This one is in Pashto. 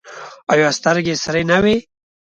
ایا سترګې یې سرې نه دي؟